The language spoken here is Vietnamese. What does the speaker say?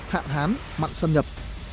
hạn hán mặn sâm nhập